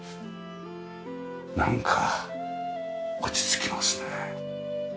なんか落ち着きますね。